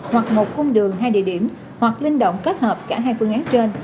hoặc một cung đường hai địa điểm hoặc linh động kết hợp cả hai phương án trên